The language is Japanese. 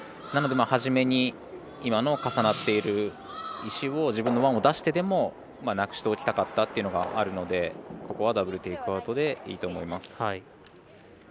なので、はじめに今の重なっている石を自分のワンを出してでもなくしておきたかったというのがあるのでここはダブル・テイクアウトでいいと思います。